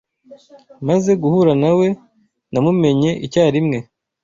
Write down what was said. Maze guhura nawe, namumenye icyarimwe.